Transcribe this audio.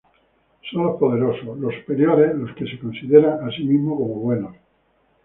Son los poderosos, los superiores los que se consideran a sí mismos como buenos.